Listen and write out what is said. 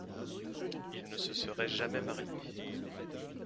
Il ne se serait jamais marié.